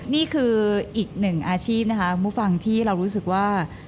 นี่คืออีกหนึ่งอาชีพนะคะผู้ฟังที่เรารู้สึกว่า